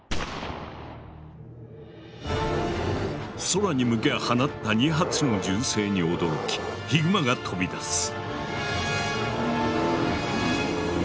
空に向け放った２発の銃声に驚きヒグマが飛び出す。